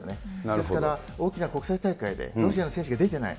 ですから、大きな国際大会で、ロシアの選手が出てない。